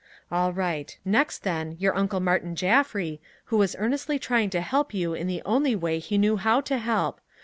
"All right. Next, then, your Uncle Martin Jaffry, who was earnestly trying to help you in the only way he knew how to help!